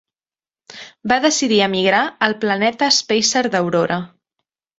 Va decidir emigrar al planeta Spacer d'Aurora.